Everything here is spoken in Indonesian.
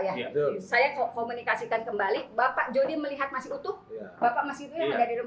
ya saya komunikasikan kembali bapak jodoh melihat masih utuh bapak masih ada di dalam